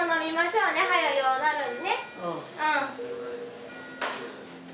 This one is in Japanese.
うん。